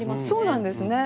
そうなんですね。